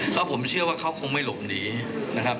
ก็ผมเชื่อว่าเขาคงไม่หลบหนีนะครับ